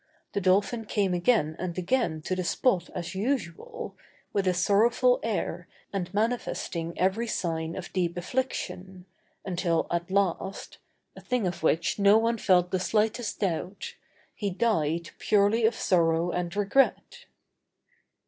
The dolphin came again and again to the spot as usual, with a sorrowful air and manifesting every sign of deep affliction, until at last (a thing of which no one felt the slightest doubt), he died purely of sorrow and regret.